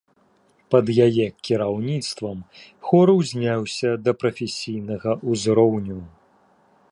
Пад яе кіраўніцтвам хор узняўся да прафесійнага ўзроўню.